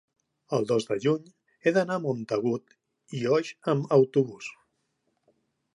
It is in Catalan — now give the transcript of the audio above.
el dos de juny he d'anar a Montagut i Oix amb autobús.